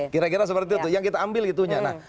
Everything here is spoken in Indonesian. kira kira seperti itu yang kita ambil itunya